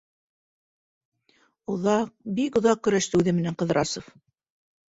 Оҙаҡ, бик оҙаҡ көрәште үҙе менән Ҡыҙрасов.